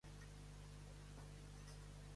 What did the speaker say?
Georgen a.d.